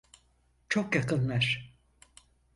Çok yakınlar.